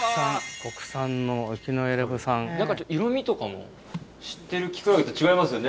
・国産の沖永良部産・色みとかも知ってるキクラゲと違いますよね。